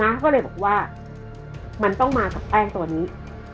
เขาก็เลยบอกว่ามันต้องมากับแป้งตัวนี้